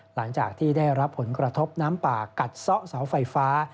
หลังจากที่ได้รับผลกระทบน้ำป่ากัดซ่อเสาไฟฟ้า